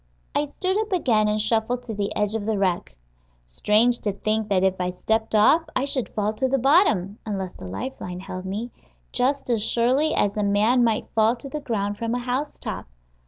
I stood up again and shuffled to the edge of the wreck. Strange to think that if I stepped off I should fall to the bottom (unless the life line held me) just as surely as a man might fall to the ground from a housetop.